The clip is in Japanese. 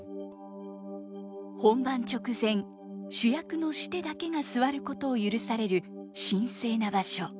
本番直前主役のシテだけが座ることを許される神聖な場所。